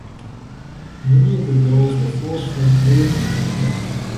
Many of the girls were force-fed heroin or cocaine.